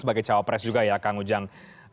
sebagai cawapres juga ya kang ujang